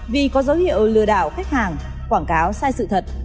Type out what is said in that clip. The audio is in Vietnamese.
vì có dấu hiệu lừa đảo khách hàng quảng cáo sai sự thật